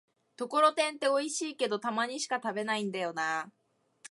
ところてんっておいしいけど、たまにしか食べないんだよなぁ